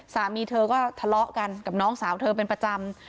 สามีเธอก็ทะเลาะกันกับน้องสาวเธอเป็นประจำ